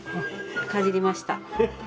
かじりました。